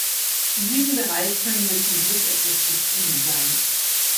In diesem Bereich können wir zum Glück etwas zufrieden sein.